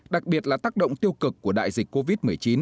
đặc biệt là tác động tiêu cực của đại dịch covid một mươi chín